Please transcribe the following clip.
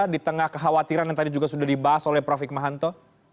di tengah kekhawatiran yang tadi juga sudah dibahas oleh prof hikmahanto